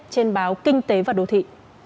trên báo kinh tế và đô thị